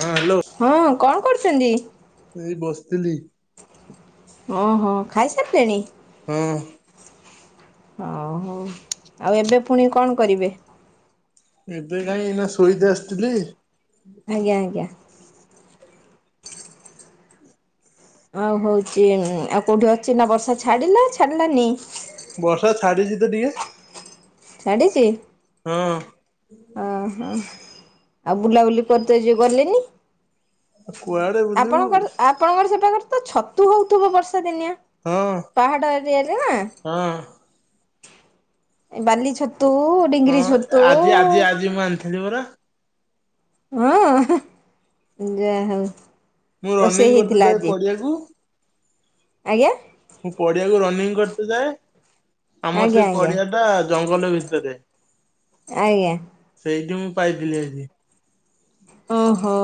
ହଁ ହାଲୋ। ହଁ କଣ କରୁଛନ୍ତି? ଏଇ ବସିଥିଲି। ଆଁ ହଁ ଖାଇସାରିଲେଣି? ହଁ। ଓ ହୋ ଏବେ ପୁଣି କଣ କରିବେ? ଏବେ କାଇଁ ଏଇନା ସୋଇତେ ଆସିଥିଲି। ଆଜ୍ଞା ଆଜ୍ଞା। ଆଉ ହଉଛି ଆଉ କୋଉଠି ଅଛି ନା ବର୍ଷା ଛାଡିଲା ଛାଡିଲାନି? ବର୍ଷା ଛାଡ଼ିଛି ତ ଟିକେ। ଛାଡ଼ିଛି। ହଁ। ଓହୋ ଆଉ ବୁଲାବୁଲି କରିତେ ଯଉ ଗଲିନି। କୁଆଡେ ବୁଲିବୁ ଆପଣଙ୍କର ଆପଣଙ୍କର ସେବା କର ତ ଛତୁ ହଉଥିବ ବର୍ଷା ଦିନିଆ ହଁ ପାହାଡ ଏରିଆରେ ନା। ହଁ। ଏ ବାଲି ଛତୁ, ହଁ ଡିଙ୍ଗିରି ଛତୁ-ଉ-ଉ। ଆଜି ଆଜି ଆଜି ମୁଁ ଆଣିିଥିଲି ପରା। ହଁ ଯା ହଉ। ମୁଁ ରୋଷେଇ ରନିଂ କରିତେ ହେଇଥିଲା ଯାଏ ଆଜି ପଡିଆକୁ ଆଜ୍ଞା? ମୁଁ ପଡିଆକୁ ରନିଂ କରିତେ ଯାଏ। ଆମର ଆଜ୍ଞା ସେ ଆଜ୍ଞା ପଡିଆ ଟା ଜଙ୍ଗଲ ଭିତରେ। ଆଜ୍ଞା। ସେଇଠି ମୁଁ ପାଇଥିଲି ଆଜି। ଓ ହୋ।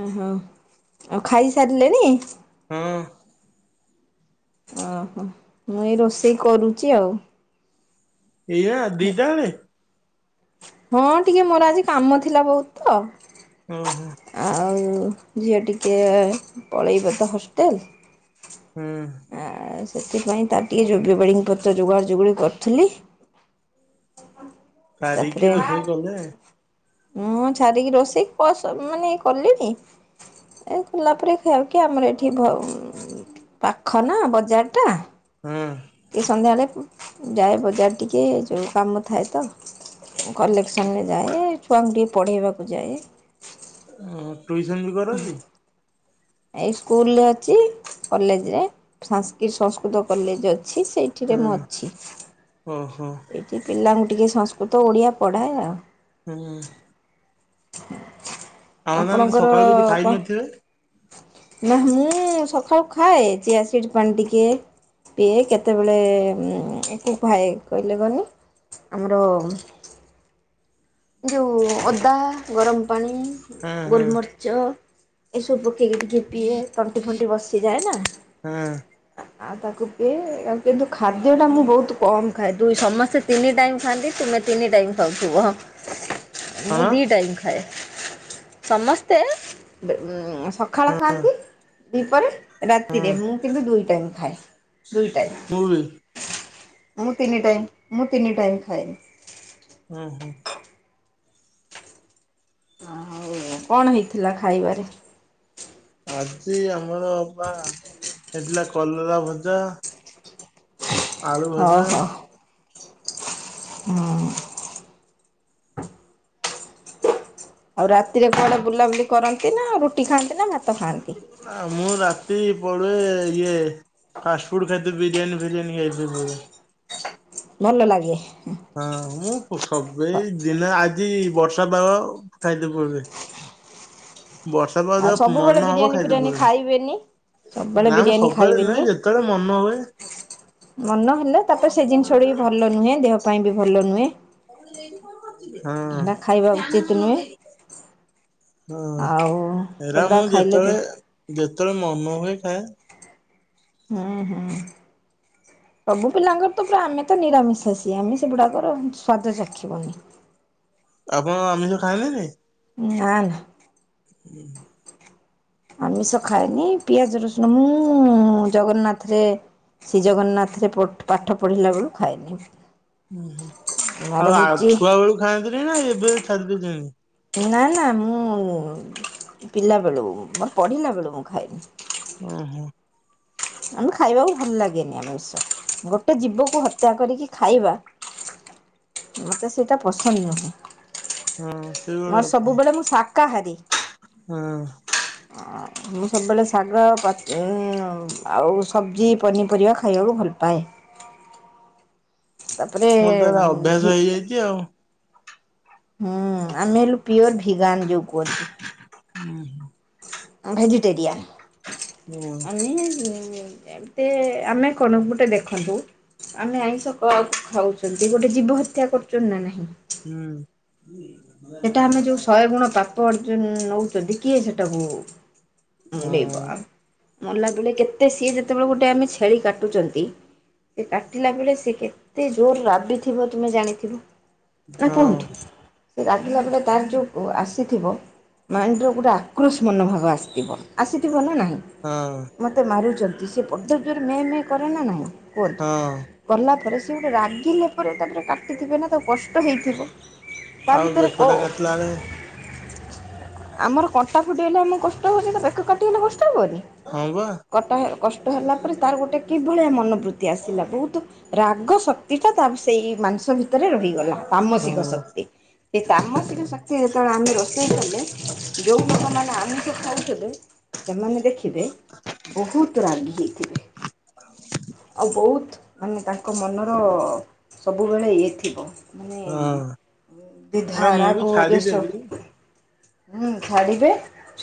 ଓହୋ ଆଉ ଖାଇସାରିଲେଣି? ହଁ। ଓ ହୋ ମୁଁ ଏଇ ରୋଷେଇ କରୁଛି ଆଉ। ଏଇଆ ଦିଟା ବେଳେ? ହଁ ଟିକେ ମୋର ଆଜି କାମ ଥିଲା ବହୁତ୍ ତ। ଓ ହୋ। ଆଉ-ଉ-ଉ ଝିଅ ଟିକେ-ଏ-ଏ ପଳେଇବ ତ ହଷ୍ଟେଲ୍। ହୁଁ। ଆ-ଆ-ଆ-ଆ ସେଥିପାଇଁ ତାର ଟିକେ ଯୋଗ୍ୟବେଡିଙ୍ଗ୍ କରତେ ଯୋଗା ଯୋଗଳି କରୁଥିଲି। ତାପରେ ସାରିକି ରୋଷେଇ କଲେ ମୁଁ ଛାଡ଼ିକି ରୋଷେଇ ପସନ୍ଦ ମାନେ କଲିଣି। ଏ [unintelligible] ଆମର ଏଇଠି ଘରୁ ପାଖ ନା ବଜାର୍ ଟା। ହଁ। ଟିକେ ସନ୍ଧ୍ୟାବେଳେ ଉ-ଉ ଯାଏ ବଜାର ଟିକେ ଯୋଉ କାମ ଥାଏତ। କଲେକ୍ସନରେ ଯାଏ, ଛୁଆଙ୍କୁ ଟିକଏ ପଢ଼େଇବାକୁ ଯାଏ। ହ ଟ୍ୟୁସନ ବି କର କି? ଏଇ ସ୍କୁଲରେ ଅଛି, କଲେଜ୍ ରେ ସାନସ୍କ୍ରିଟ୍, ସଂସ୍କୃତ କଲେଜ୍ ଅଛି, ସେଇ ଠିରେ ମୁଁ ଅଛି। ଓ ହୋ। ଏଇଠି ପିଲାଙ୍କୁ ଟିକେ ସଂସ୍କୃତ, ଓଡ଼ିଆ ପଢ଼ାଏ। ହୁଁ। ଆମ ମାନେ ସକାଳୁ କିଛି ଆପଣଙ୍କର-ଅ-ଅ-ଅ ଖାଇ କଣ? ନଥିବେ ନ ମୁଁ-ଉ-ଉ-ଉ ସକାଳୁ ଖାଏ ଚିଆସିଡ୍ ପାଣି ଟିକେ ପିଏ କେତେବେଳେ-ଏ-ଏ-ଏ ଉ-ଉ କୁ ପାଏ କହିଲେ କଅଣ ଆମର ଯୋଉ ଅଦା, ଗରମ୍ ପାଣି, ହଁ ହଁ ଗୋଲମ ରିଚ ଏ ସବୁ ପକେଇକି ଟିକେ ପିଏ ତଣ୍ଟି, ଫଣ୍ଟି ବସିଯାଏନା। ହଁ ଆ ଆ ତାକୁ ପିଏ ଆଉ କିନ୍ତୁ ଖାଦ୍ୟ ଟା ମୁଁ ବହୁତ୍ କମ୍ ଖାଏ ଦୁଇ ସମସ୍ତେ ତିନି ଟାଇମ୍ ଖାଆନ୍ତି, ତୁମେ ତିନି ଟାଇମ୍ ଖାଉଥିବ। ମୁଁ କଣ ଦି ଟାଇମ୍ ଖାଏ। ସମସ୍ତେ ବ-ଅ-ଅ ସ ଖାଳ ଖାଆନ୍ତି ଦିପହରେ ହଁ ରାତିରେ ମୁଁ କିନ୍ତୁ ଦୁଇଟାଇମ୍ ଖାଏ ଦୁଇ ଟାଇମ୍। ମୁଁ ବି ମୁ ତିନି ଟାଇମ୍ ମୁ ତିନି ଟାଇମ୍ ଖାଏ। ହୁଁ ହୁଁ। ଅ ହଉ-ଉ-ଉ କଣ ହେଇଥିଲା ଖାଇବାରେ? ଆଜି ଆମର ପା ହେଇଥିଲା କଲରା ଭଜା ଆଳୁ ଭଜା। ହୁଁ। ଆଉ ରାତିରେ କଣ ବୁଲାବୁଲି କରନ୍ତି ନା ରୁଟି ଖାଆନ୍ତି ନା ଭାତ ଖାଆନ୍ତି? ନା ମୁଁ ରାତି ପଳୁଏ ଇଏ ଫାଷ୍ଟ୍ ଫୁଡ୍ ଖାଇ ବିରିୟାନି ଫିରିୟାନି ଖାଇ। [unintelligible] ଭଲ ଲାଗେ ହଁ ମୁଁ ପୁ ସବେ ଇ ଦିନ ଆଜି ବର୍ଷା ପାଗ ଖାଇତେ ପଳୁଏ। ବର୍ଷା ପାଗ ଆଉ ଯେବେ ସବୁବେଳେ ମନ ହବ ବିରିୟାନୀ ଖାଇତେ ଫିରିୟାନୀ ପଳୁଏ। ଖାଇବେନି ସବୁବେଳେ ନା ମ ବିରିୟାନୀ ସବୁବେଳେ ନୁହେଁ ଖାଇବେନି ଯେତେବେଳେ ମନ ହୁଏ। ମନ ହେଲେ ତାପରେ ସେଇ ଜିନିଷ ଗୁଡ଼ ବି ଭଲନୁହେଁ ଦେହ ପାଇଁ ବି ଭଲ ନୁହେଁ। ହେଟା ଖାଇବା ହଁ ଉଚିତ ହଁ ନୁହେଁ ଆଉ ଏରା ସେଗୁଡା ମୁଁ ଖାଇଲେ ଦେ ଯେତେଳେ ଯେତେଳେ ମନ ହୁଏ ଖାଏ। ହୁଁ ହୁଁ ସବୁ ପିଲାଙ୍କର ତ ପୁରା ଆମେ ତ ନିରାମିଷାସି ଆମେ ସେଗୁଡ଼ାକର ସ୍ୱାଦ ଚାଖିବୁନି। ଆପଣ ଆମିଷ ଖାନ୍ତିନି? ନା ନା। ହୁଁ। ଆମିଷ ଖାଏନି ପିଆଜ ରସୁଣ ମୁଁ ଜଗନ୍ନାଥରେ ଶ୍ରୀ ଜଗନ୍ନାଥରେ ପଟ ପାଠ ପଢ଼ିଲା ବେଳୁ ଖାଏନି। ଉଁ ହୁଁ ମୋର ଆଉ ଆ ହଉଛି ଛୁଆ ବେକୁ ଖାଆନ୍ତିନି ନା ଏବେ ଛାଡ଼ି ଦେଇଛନ୍ତି? ନାଁ ନାଁ ମୁଁ ପିଲାବେଳୁ ମୋର ପଢିଲା ବେଳୁ ମୁଁ ଖାଇନି। ହୁଁ ହୋଁ ଆମେ ଖାଇବାକୁ ଭଲ ଲାଗେନି ଆମିଷ ଗୋଟେ ଜୀବକୁ ହତ୍ୟା କରିକି ଖାଇବା ମତେ ସେଇଟା ପସନ୍ଦ ନୁହେଁ। ହଁ ମୋର ସେଇଭଳିଆ କଥା ସବୁବେଳେ ମୁଁ ଶାକାହାରୀ। ହଁ ଅଁ ମୁଁ ସବୁବେଳେ ଶାଗ-ଉଁ ଆଉ ସବ୍ଜି ପନିପରିବା ଖାଇବାକୁ ଭଲ ପାଏ। ତାପରେ ମୋର ଏରା ଭି ଅଭ୍ୟାସ ହେଇଯାଇଚି ଆଉ। ହୁଁ ଆମେ ହେଲୁ ପିଓର ଭିଗାନ ଯୋଉ କୁହନ୍ତି। ହୁଁ ହୁଁ। ଆମେ ହଁ ଭେଜିଟେରୟାନ ମାନେ ଟେ ଆମେ କଣ ଗୁଟେ ଦେଖନ୍ତୁ ଆମେ ଆଇଁଷ କ ଖାଉଛନ୍ତି ଗୋଟେ ଜୀବ ହତ୍ୟା କରୁଛନ୍ତି ନା ନାହିଁ? ହୁଁ। ସେଟା ଆମେ ଯୋଉ ଶହେ ଗୁଣ ପାପ ଅର୍ଜ ନଉଛନ୍ତି କିଏ ସେଟା ଭୋଅ ହଁ ମୁଣ୍ଡେଇବ ଆଉ ମଲା ବେଳେ କେତେ ସିଏ ଯେତେବେଳେ ଗୋଟେ ଆମେ ଛେଳି କାଟୁଛନ୍ତି ସେ କାଟିଲା ବେଳେ ସେ କେତେ ଜୋର ରାବିଥିବ ତୁମେ ଜାଣିଥିବ ନା ହଁ। କୁହନ୍ତୁ ରାଗିଲା ବେଳେ ତାର ଯଉଆସିଥିବ ମାଇଣ୍ଡର ଗୁଟେ ଆ କୃୁଶ ମନୋଭାଗ ଆସିଥିବ ଆସିଥିବ ନା ନାହିଁ? ହଁ ମୋତେ ମାରୁଛନ୍ତି ସେ ବଡ଼ ଜୋରେ ମେଁ ମେ କରେ ନା ନାହିଁ କୁହନ୍ତୁ? ହଁ। କଲା ପରେ ସେ ଗୋଟେ ରାଗିଲେ ପରେ ତାପରେ କାଟିଥିବେ ନା ତା କଷ୍ଟ ହେଇଥିବ ତା ଆଉ ଭିତରେ କ ବେକଟା କାଟିଲା ବେଳେ ଆମର କଣ୍ଟା ଫୁଟିଗଲେ ଆମେ କଷ୍ କଟା ହେଲା ବେଳେ ବେକ କଟିଗଲେ କଷ୍ଟ ହବନି ହଁ ବା କଟା କଷ୍ଟ ହେଲା ପରେ ତାର ଗୋଟେ କିଭଳିଆ ମନୋବୃତ୍ତି ଆସିଲା ବହୁତ ରାଗ ଶକ୍ତିଟା ତା ସେଇ ମାଂସ ଭିତ ରେ ରହିଗଲା ପାମସିକ ହଁ ସତ ଏ ତାମସିକ ଶକ୍ତି ଯେତେବେଳେ ଆମେ ରୋଷେଇ କଲେ ଯେଉଁ ଲୋକମାନେ ଆମିଷ ଖାଉଥେବେ ସେମାନେ ଦେଖିବେ ବହୁତ ରାଗି ହେଇଥିବେ। ଆଉ ବହୁତ ମାନେ ତାଙ୍କ ମନର ସବୁବେଳେ ଇଏ ଥିବ ମାନେ ହଁ। ଦ୍ବିଧା ଏରା ମୁଁ ବି ରାଗ ଦ୍ଵେଶ ଛାଡିଦେବି ହୁଁ ଛାଡିବେ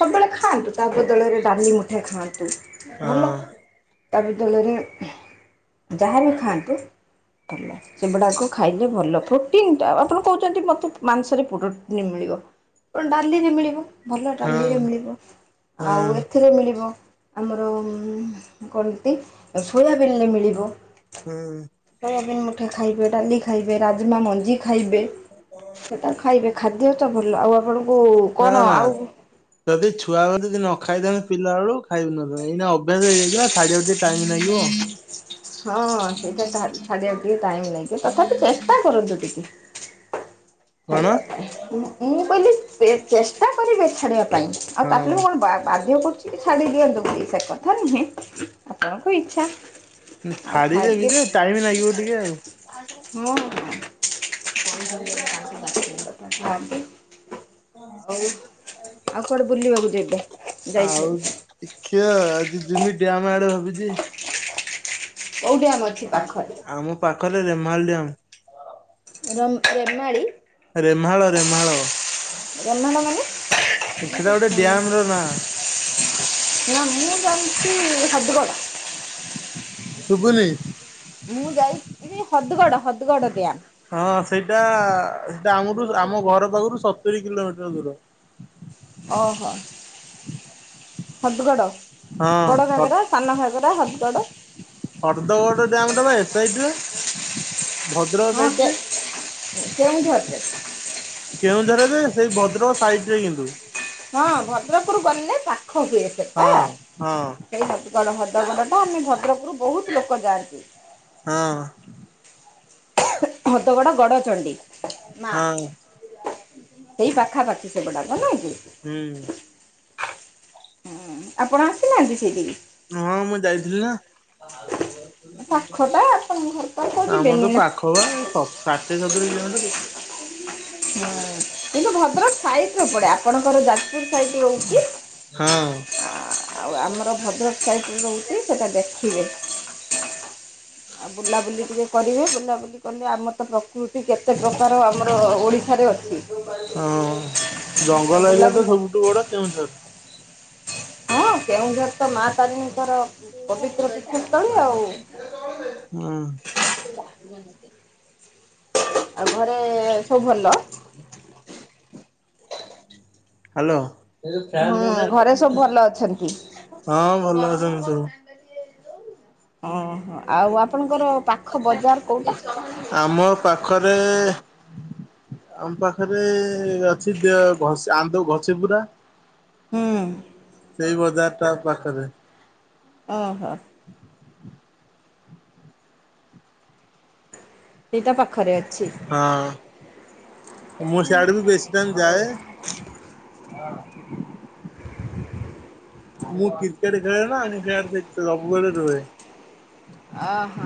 ସବୁବେଳେ ଖାଆନ୍ତୁ ତା ବଦଳରେ ଡାଲି ମୁଠେ ଖାଆନ୍ତୁ। ହଁ ଭଲ। ତା ବଦଳରେ ଯାହାହେଲେ ଖାଆନ୍ତୁ ତମେ ସେଗୁଡ଼ାକୁ ଖାଇଲେ ଭଲ ପ୍ରୋଟିନ୍ଟା ଆପଣ ମତେ ମାଂସରେ [unintelligible] ଡାଲି ମିଳିବ ଭଲ ହଁ ଡାଲିରେ ମିଳିବ ଆଉ ଏ ହଁ ସେଥିରେ ମିଳିବ ଆମର କଣନ୍ତି ସୋୟାବିନରେ ମିଳିବ। ହୁଁ ସୋୟାବିନ୍ ମୁଠେ ଖାଇବେ ଡାଲି ଖାଇବେ ରାଜମା ମଞ୍ଜି ଖାଇବେ ସେଟ ଖାଇବେ ଖାଦ୍ୟ ତ ଭଲ ଆଉ ଆପଣଙ୍କୁ ନା କଣ ନା ଆଉ ଯଦି ଛୁଆମାନେ ଯଦି ନ ଖାଇଥାନ୍ତ ପିଲା ବେଳୁ ଖାଇବୁନ ଏଇ ଅଭ୍ୟାସ ହେଇଯାଇଛି ଥିଲାଢେ [unintelligible] ହଁ ସେଇଟାିବା ଟିକେ ଟାଇମ ଲାଗିବ ତଥାପି ଚେଷ୍ଟା କରନ୍ତୁ ଟିକେ କଣ ଖରେଆ ପାଇଁ ମୁଁ କହିଲି [unintelligible] ଚେଷ୍ଟା କରିବେ ଛାଡିବା ପାଇଁ ଆଉ ତାପ କଣ ହଁ ବାଧ୍ୟ କରୁଛି ଟିକେ ଛାଡି ଦିଅନ୍ତୁ ବୋଲି ସେ କଥା ନୁହେଁ ଆପଣଙ୍କ ଇଚ୍ଛା ଆଉ ଖାଦ୍ୟ ଛାଡିଦେମି ଯେ ଟାଇମ ଲାଗିବ ଟିକେ ଆଉ ହଁ ହଁ କୋବ ତାା ବାତି [inaudible] ତାଖନ୍ତି [unintelligible] ଆଉ ଆଉ କଆଡେ ବୁଲିବାକୁ ଯ ଏବେ ଯାଇଛନ୍ତି ଏ କ୍ିଅ ଆଜି ଜିମି ଆମ ଆଡେ ଭାବିଛି [unintelligible] କଉଠିଆମ ଅଛ ଆମ ପାଖରେ ରେମାଲ ଡମ୍ ର ରେମାହାଳ ରେମାଡ଼ିୀ ରେମାହାଳ ଜମାଣ ମାନେ ସେଟା ଗୋଟେ ଡ୍ୟାମ ର ନାଁ [unintelligible] ନା ମୁଁ ଜାଛି ସାଧୁ କଳ [unintelligible] ସୁଗୁନି ମୁଁ ଯାଇ ହଦଗଡ଼ ହଦଗଡ଼ ଗଆ ହଁ ସେଇଟା ସେଟା ଆମଠୁ ଆମ ଘର ପାଖରୁ ସତୁରିୀ କିଲୋମିଟର ଦୂର ଓହୋ ହଦୁଗଡ଼ ବଡ ଘାଗରା ସାନ ଘାଗରା ହଦଗଡ ହର୍ଦ୍ଦ ବ ଡାମ ଟ ବା ଏରେ ହଁ କେ କେଉଁଠି ଅଟ [unintelligible] କେଉଁଝରେ ଯେ ସେଇ ଭଦ୍ରକ ସାଇଟ ରେ କିନ୍ତୁ ହଁ ଭଦ୍ରପୁର ଗଲେେ ପାଖ ହୁଏ ସେଟା ହଁ ହଁ ସେଇ କଣ ଭଦ୍ରଗଣ୍ଡ ଟା ଆମେ ଭଦ୍ରକରୁ ବହୁତ ଲୋକ ଯାଆନ୍ତି ହଁ ହଦଗୋଡ ଗଡଚଣ୍ଡୀ ମା ହଁ ସେଇ ପାଖାପାଖି ସେଗୁଡାକ ନାଇଁ କି ହୁଁ ହୁଁ ଆପଣ ଆସିନାହାନ୍ତି ସେଇଠି ହଁ ମୁଁ ଯାଇଥିଲି ନା ପାଖ ଟା ଆପଣଙ୍କ ଘର ତ ଆଉ କଉ ଯିବେନି ନା ହଉବା ଏ ସାତ ସତୁରେ କିଣନ୍ତୁ କେତେ ହୁଁ କିନ୍ତୁ ଭଦ୍ର ସାଇ ପଡେ ଆପଣଙ୍କର ଯାଜପୁର ସାଇଡ ହଁ ହଉଛି ଆଉ ଆମର ଭଦ୍ରକ ସାଇଡ଼ରେ ରହୁଛି ସେଇଟା ଦେଖିବେ ହ [unintelligible] ଆଉ ବୁଲାବୁଲିଏ କରିବେ ବୁଲାବୁଲି କଲେ ଆମର ତ ପ୍ରକୃତି କେତେ ପ୍ରକାର ଆମର ଓଡ଼ିଶ ଥରେ ଅଛି ହଁ ଆଉ ଜଙ୍ଗଲ ଏରିଆ ତ ବୁଲାବୁଲି ସବୁଠୁ ବଡ କେଉଁଝର ହଁ କେଉଝର ତ ମା ତାରିଣୀଙ୍କର ପବିତ୍ର ପୃଠସ୍ଥଳୀ ଆଉ ହୁଁ [unintelligible] ଆଉ ଘରେ ସବୁ ଭଲ। ହାଲୋ। ହଁ ହୁଁ ଘରେ ସବୁ ଭଲ ଅଛନ୍ତି। ଭଲ ଅଛନ୍ତି ସବୁ। ଓହୋ ଆଉ ଆପଣଙ୍କର ପାଖ ବଜାର କୋଉଟା। ଆମ ପାଖରେ ଆମ ପାଖରେ ଅଛି ଦେଓ ଘସି ଆନ୍ଦ ଘଷି ପୁରା। ହୁଁ। ସେଇ ବଜାର ଟା ପାଖରେ। ଓହୋ। ସେଇଟା ପାଖରେ ଅଛି। ହଁ ମୁଁ ସିଆଡକୁ ବେଶୀ ଟାଇମ ଯାଏ। ହଁଅଁ। ମୁଁ କ୍ରିକେଟ ଖେଳେନା ମୁଁ ସିଆଡେ ସେସ ସବୁବେଳେ ରୁହେ। ଅ ହ।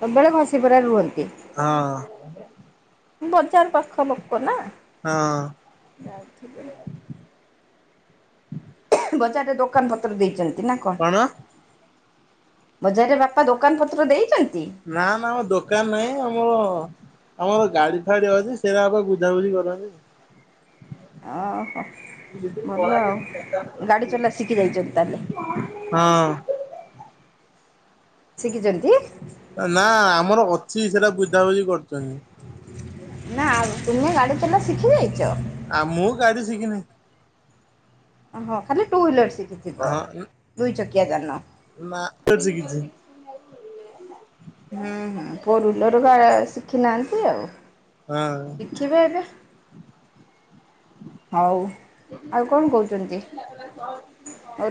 ସବୁବେଳେ ଘଷିପୁରାରେ ରୁହନ୍ତି। ହଁ। ବଜାର ପାଖ ଲୋକ ନା। ହଁ। [unintelligible] ବଜାରରେ ଦୋକାନ ପତ୍ର ଦେଇଚନ୍ତି ନା କଣ। ବଜାରରେ ବାପା ଦୋକାନ ପତ୍ର ଦେଇଚନ୍ତି। ନା ନା ଆମ ଦୋକାନ ନାହିଁ ଆମର ଆମର ଗାଡି ଫାଡି ଅଛି ସେରା ଵାପା ବୁଝାବୁଝି କରନ୍ତି। ଓହୋ ଭଲ ଆଉ [inaudible] ଗାଡ଼ି ଚଲା ଶିଖି ଯାଇଛନ୍ତି ତାହେଲେ। ହୁଁ। ଶିକିଚନ୍ତି। ନା ଆମର ଅଛି ସେରାବୁଝାବୁଝି କରୁଚନ୍ତି। ନା ତୁମେ ଗାଡ଼ି ଚଲା ଶିଖି ଯାଇଚ। ଆ ମୁ ମୁଁ ଗାଡିି ସିକିନେଇ। ହୋ ଖାଲି ଟୁ ଇଲର ଶିଖିଥିବ ହଁ ଦୁଇ ଚକିଆ ଯାନ। [unintelligible] ହୁଁ ହୁଁ ଫୋର୍ୱିଲର ଗା ଶିଖି ନାହାନ୍ତି ଆଉ। ହଁ। ଶିଖିବେ ଏବେ ହଉ ଆଉ କଣ କହୁଚନ୍ତି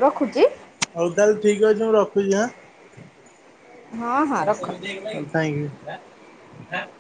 ରଖୁଚି। ହଉ ତାହେଲେ ଠିକ୍ ଅଛି ମୁଁ ରଖୁଚି ଆଁ। ହଁ ହଁ ରଖ। କାହିଁକି।